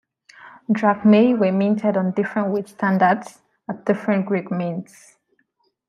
Drachmae were minted on different weight standards at different Greek mints.